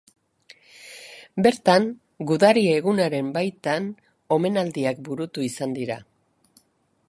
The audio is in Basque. Bertan Gudari Egunaren baitan omenaldiak burutu izan dira.